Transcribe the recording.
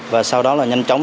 và sau đó là nhanh chóng